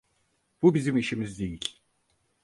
Bu bizim işimiz değil.